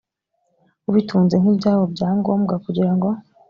ubitunze nk’ibyawo bya ngombwa kugira ngo